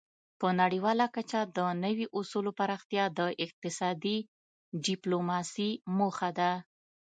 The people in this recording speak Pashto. په نړیواله کچه د نوي اصولو پراختیا د اقتصادي ډیپلوماسي موخه ده